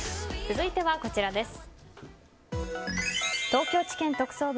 続いては、こちらです。